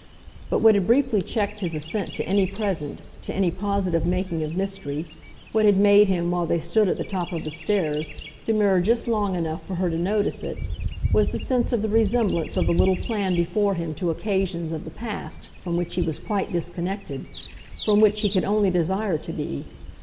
But what had briefly checked his assent to any present, to any positive making of mystery what had made him, while they stood at the top of the stairs, demur just long enough for her to notice it was the sense of the resemblance of the little plan before him to occasions, of the past, from which he was quite disconnected, from which he could only desire to be.